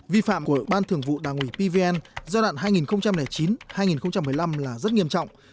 vi phạm của ban thường vụ đảng ủy pvn giai đoạn hai nghìn chín hai nghìn một mươi năm là rất nghiêm trọng